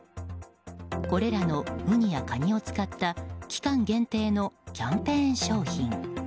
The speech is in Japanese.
これらのウニやカニを使った期間限定のキャンペーン商品。